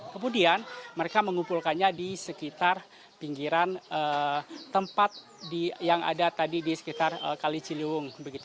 kemudian mereka mengumpulkannya di sekitar pinggiran tempat yang ada tadi di sekitar kali ciliwung